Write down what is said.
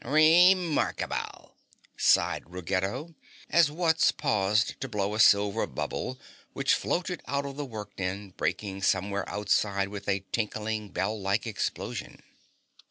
"Re markable!" sighed Ruggedo, as Wutz paused to blow a silver bubble which floated out of the work den, breaking somewhere outside with a tinkling bell like explosion.